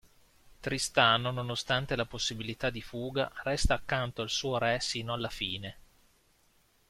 Tristano, nonostante la possibilità di fuga, resta accanto al suo re sino alla fine.